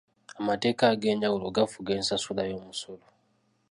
Amateeka ag'enjawulo gafuga ensasula y'omusolo.